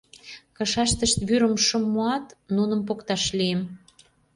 Кышаштышт вӱрым шым муат, нуным покташ лийым.